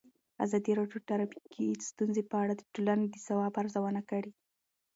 ازادي راډیو د ټرافیکي ستونزې په اړه د ټولنې د ځواب ارزونه کړې.